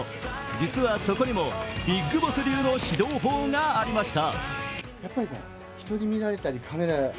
実はそこにもビッグボス流の指導法がありました。